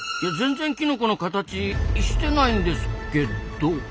全然キノコの形してないんですけど。